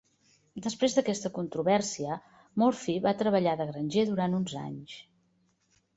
Després d'aquesta controvèrsia, Murphy va treballar de granger durant uns anys.